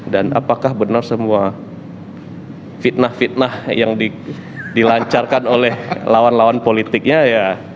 dan apakah benar semua fitnah fitnah yang dilancarkan oleh lawan lawan politiknya ya